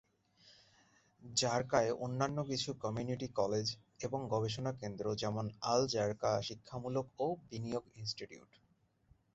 জারকায় অন্যান্য কিছু community college এবং গবেষণা কেন্দ্র যেমন আল-জারকা শিক্ষামূলক ও বিনিয়োগ ইন্সটিটিউট।